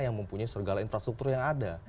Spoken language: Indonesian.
yang mempunyai segala infrastruktur yang ada